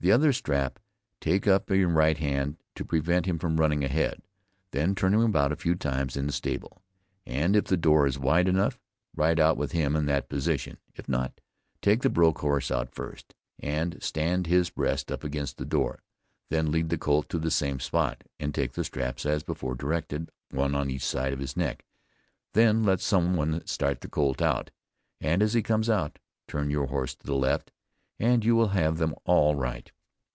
The other strap take up in your right hand to prevent him from running ahead; then turn him about a few times in the stable, and if the door is wide enough, ride out with him in that position; if not, take the broke horse out first, and stand his breast up against the door, then lead the colt to the same spot, and take the straps as before directed, one on each side of his neck, then let some one start the colt out, and as he comes out, turn your horse to the left, and you will have them all right.